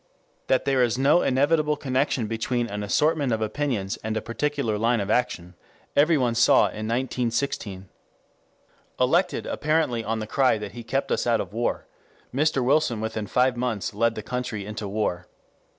That there is no inevitable connection between an assortment of opinions and a particular line of action everyone saw in 1916. Elected apparently on the cry that he kept us out of war, Mr. Wilson within five months led the country into war.